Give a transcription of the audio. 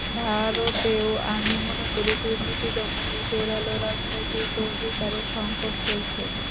ভারতেও আমি মনে করি দুর্নীতি দমনে জোরালো রাজনৈতিক অঙ্গীকারের সংকট চলছে।